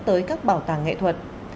tới các bảo tàng nghệ thuật